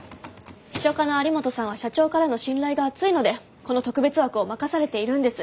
秘書課の有本さんは社長からの信頼が厚いのでこの特別枠を任されているんです。